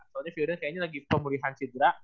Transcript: soalnya firda kayaknya lagi pemulihan sidra